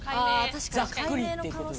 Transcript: ざっくりっていう事で。